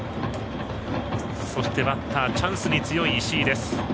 そしてバッターはチャンスに強い石井です。